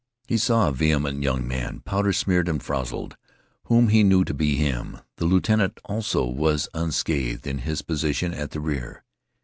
He saw a vehement young man, powder smeared and frowzled, whom he knew to be him. The lieutenant, also, was unscathed in his position at the rear.